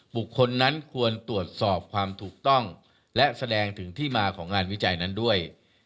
บุคคลนั้นควรตรวจสอบความถูกต้องและแสดงถึงที่มาของงานวิจัยนั้นด้วย